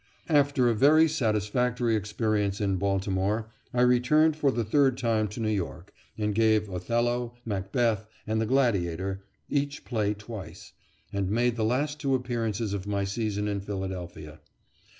After a very satisfactory experience in Baltimore, I returned for the third time to New York, and gave "Othello," "Macbeth," and "The Gladiator," each play twice, and made the last two appearances of my season in Philadelphia.